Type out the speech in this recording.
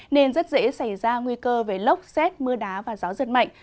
nên rất dễ xảy ra nguy cơ về lốc xét mưa đá và gió giật mạnh